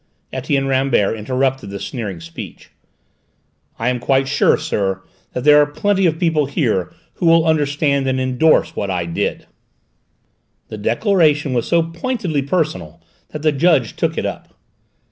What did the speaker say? Etienne Rambert interrupted the sneering speech. "I am quite sure, sir, that there are plenty of people here who will understand and endorse what I did." The declaration was so pointedly personal that the judge took it up.